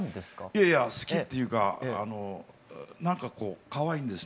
いやいや好きっていうか何かこうかわいいんですね。